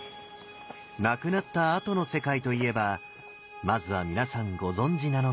亡くなったあとの世界といえばまずは皆さんご存じなのが。